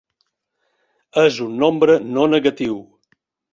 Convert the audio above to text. És un nombre no negatiu.